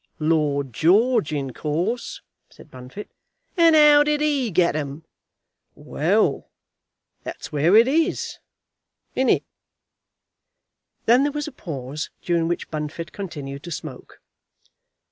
"Lord George, in course," said Bunfit. "And how did he get 'em?" "Well; that's where it is; isn't it?" Then there was a pause, during which Bunfit continued to smoke.